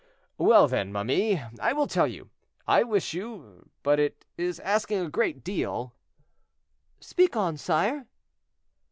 "Well, then, ma mie, I will tell you. I wish you—but it is asking a great deal." "Speak on, sire."